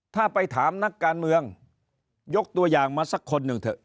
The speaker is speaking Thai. ถ้าไปถามนักการเมืองยกตัวอย่างมาสักคนหนึ่งเถอะ